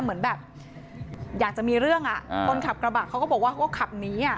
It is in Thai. เหมือนแบบอยากจะมีเรื่องอ่ะคนขับกระบะเขาก็บอกว่าเขาก็ขับหนีอ่ะ